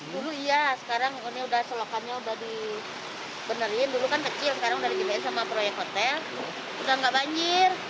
dulu iya sekarang ini udah selokannya udah di